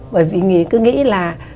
bởi vì cứ nghĩ là